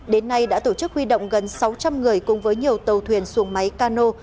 đến nay đã tổ chức huy động gần sáu trăm linh người cùng với nhiều tàu thuyền xuồng máy cano